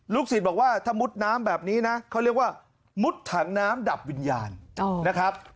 ศิษย์บอกว่าถ้ามุดน้ำแบบนี้นะเขาเรียกว่ามุดถังน้ำดับวิญญาณนะครับ